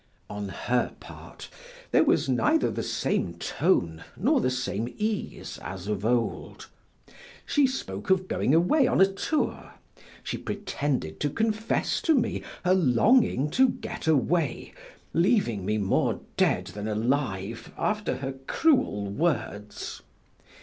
On her part there was neither the same tone nor the same ease as of old; she spoke of going away on a tour; she pretended to confess to me her longing to get away, leaving me more dead than alive after her cruel words.